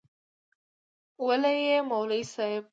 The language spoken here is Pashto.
وله یی مولوی صیب.